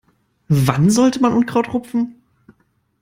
Wann sollte man Unkraut rupfen?